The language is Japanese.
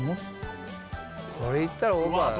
これいったらオーバーうわ